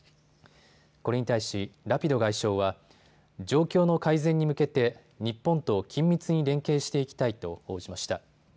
これに対しラピド外相は状況の改善に向けて日本と緊密に連携していきたいと応じました。